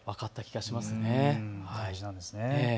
大事なんですね。